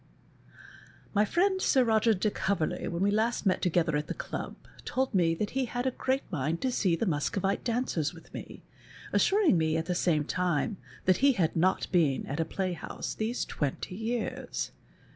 My friend Sir Roger de Covcrley, when we last met together at the ehib, told me that he had a great mind to see the Museovite daneers with me, assuring me at the same time that he had not been at a playhouse these twenty years.